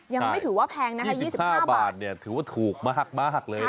ยังไม่ถือว่าแพงนะคะ๒๕บาทถือว่าถูกมากเลย